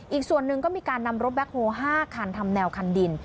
อีกส่วนหนึ่งก็มีการนำรถแบ็คโฮ๕คันทำแนวคันดิน